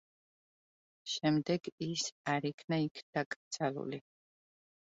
შემდეგ ის არ იქნა იქ დაკრძალული.